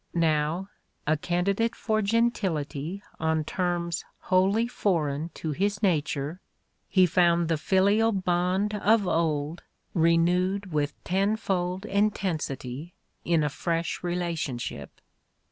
Now, a candidate for gentility on terms wholly foreign to his nature, he found the filial bond of old renewed with tenfold intensity in a fresh relationship.